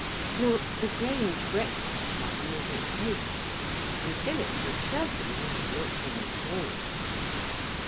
Now the Grange breakfast time was at eight. And Philip was certain he had not been called.